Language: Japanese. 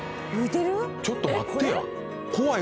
⁉ちょっと待ってや。